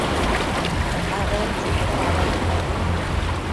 abentsëcta dada icpaid